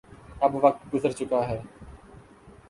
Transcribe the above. اب وقت گزر چکا ہے۔